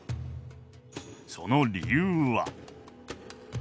その理由は。